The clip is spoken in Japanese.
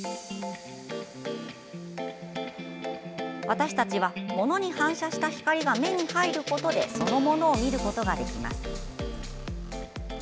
私たちは物に反射した光が目に入ることでその物を見ることができます。